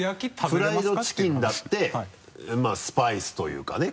フライドチキンだってスパイスというかね。